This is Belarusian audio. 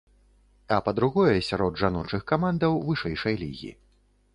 А па другое, сярод жаночых камандаў вышэйшай лігі.